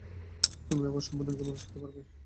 তুমি আবার সম্পূর্ণ একজন মানুষ হতে পারবে।